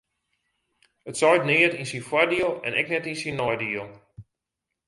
It seit neat yn syn foardiel en ek net yn syn neidiel.